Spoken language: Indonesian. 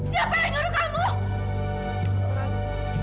siapa yang suruh kamu